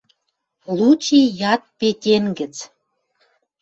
Лучи яд Петен гӹц.